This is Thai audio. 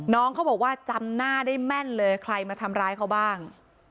น้องเขาบอกว่าจำหน้าได้แม่นเลยใครมาทำร้ายเขาบ้าง